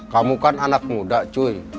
kamu kan anak muda cuy